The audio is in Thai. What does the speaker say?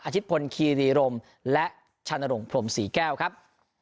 อาชิตพลคีรีรมและชะนรงพรมสี่แก้วครับ